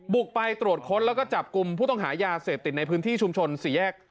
บุกไปตรวจค้นแล้วก็จับกลุ่มผู้ต้องหายาเสพติดในพื้นที่ชุมชนสี่แยก